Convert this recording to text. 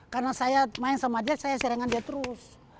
karena saya main sama dia saya serangan dia terus